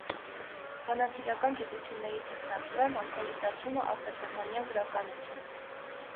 Բանասիրական գիտությունների թեկնածու է (մասնագիտացումը՝ արտասահմանյան գրականություն)։